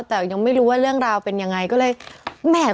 แต่ยังไม่รู้ว่าเรื่องราวเป็นยังไงก็เลยแหม่